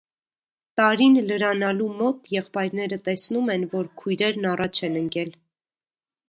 Տարին լրանալու մոտ եղբայրները տեսնում են, որ քույրերն առաջ են ընկել։